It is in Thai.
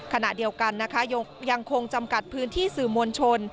ขณะเดียวกันนะคะยังคงจำกัดพื้นที่สื่อมวลชน